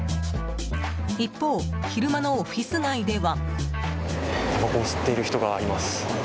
一方、昼間のオフィス街では。